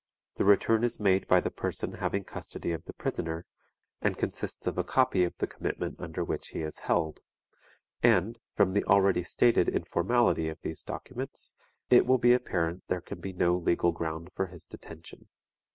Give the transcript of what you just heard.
The return is made by the person having custody of the prisoner, and consists of a copy of the commitment under which he is held; and, from the already stated informality of these documents, it will be apparent there can be no legal ground for his detention.